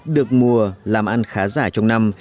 được mùa làm ăn khá giả trong năm